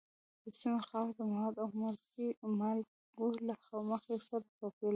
د سیمو خاوره د موادو او مالګو له مخې سره توپیر لري.